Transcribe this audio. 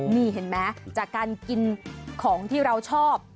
นี่เห็นไหมจากการกินของที่เราชอบ